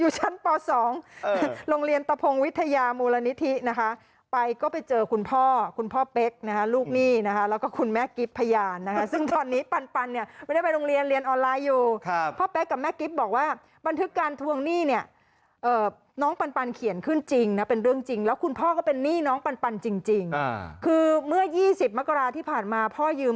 เจอคุณพ่อคุณพ่อเป๊กนะคะลูกหนี้นะคะแล้วก็คุณแม่กิฟต์พยานนะคะซึ่งตอนนี้ปันเนี่ยไม่ได้ไปโรงเรียนเรียนออนไลน์อยู่ครับพ่อเป๊กกับแม่กิฟต์บอกว่าบันทึกการทวงหนี้เนี่ยเอ่อน้องปันเขียนขึ้นจริงนะเป็นเรื่องจริงแล้วคุณพ่อก็เป็นหนี้น้องปันจริงคือเมื่อ๒๐มกราที่ผ่านมาพ